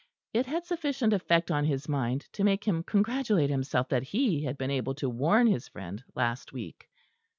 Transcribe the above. It had sufficient effect on his mind to make him congratulate himself that he had been able to warn his friend last week.